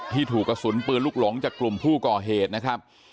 ถูกกระสุนปืนลูกหลงจากกลุ่มผู้ก่อเหตุนะครับ